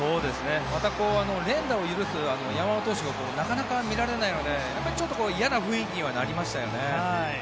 また連打を許す山本投手がなかなか見られないので嫌な雰囲気にはなりましたよね。